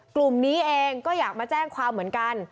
กลุ่มนี้เองก็อยากมาแจ้งความเหมือนกัน